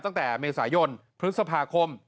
ตั้งแต่เมษายนพฤษภาคม